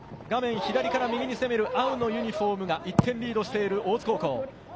画面左から右に攻める青のユニホームが１点リードしている大津高校。